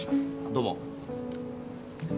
どうも。